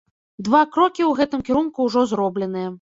Два крокі ў гэтым кірунку ўжо зробленыя.